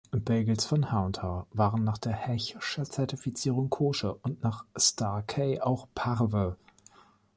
Bagels von H&H waren nach der Hechscher-Zertifizierung koscher und nach Star-K auch parve.